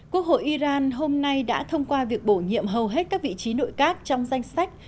quốc hội iran hôm nay đã thông qua việc bổ nhiệm hầu hết các vị trí nội các trong danh sách